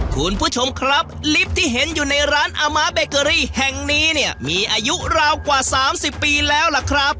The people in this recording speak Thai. คุณผู้ชมครับลิฟท์ที่เห็นอยู่ในร้านอาม้าเบเกอรี่แห่งนี้เนี่ยมีอายุราวกว่า๓๐ปีแล้วล่ะครับ